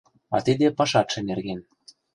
А тиде пашатше нерген